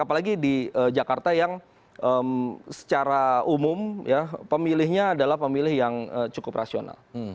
apalagi di jakarta yang secara umum pemilihnya adalah pemilih yang cukup rasional